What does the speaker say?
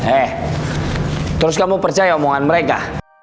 eh terus kamu percaya omongan mereka